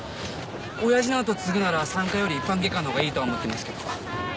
親父の跡継ぐなら産科より一般外科の方がいいとは思ってますけど。